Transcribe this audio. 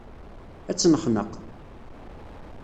Ad tt-nexneq.